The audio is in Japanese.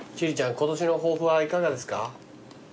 今年の抱負はいかがですか？